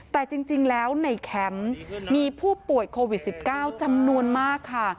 แต่จริงแล้วในแคมป์มีผู้ป่วยโควิด๑๙จำนวนมากค่ะ